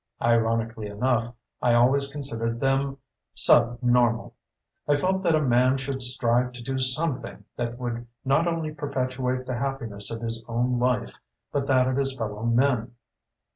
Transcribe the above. Ironically enough, I always considered them sub normal. I felt that a man should strive to do something that would not only perpetuate the happiness of his own life but that of his fellow men.